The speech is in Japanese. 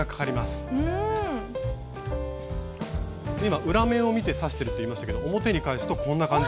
今裏面を見て刺してるって言いましたけど表に返すとこんな感じ。